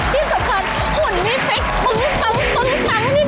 ที่สุดครั้งหลุ่นมีเฟค